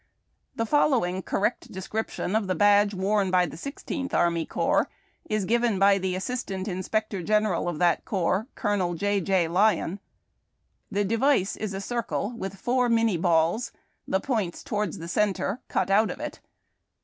The following correct description of the badge worn by the Sixteenth Army Corps is given by the assistant inspector general of that corps, Colonel J. J. Lyon :—" The device is a circle with four Minie balls, the points towards the centre, cut out of it.'"